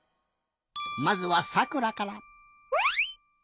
まずはさくらから。